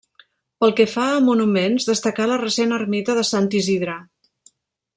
Pel que fa a monuments destacar la recent ermita de Sant Isidre.